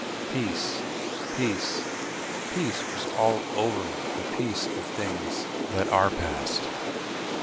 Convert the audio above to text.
Peace, peace, peace was over all, the peace of things that are past.